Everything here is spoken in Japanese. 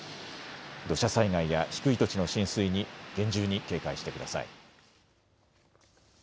土砂災害や低い土地の浸水に厳重に警戒してください。